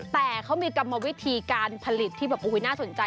แต่เขามีกรรมวิธีการผลิตที่น่าสนใจ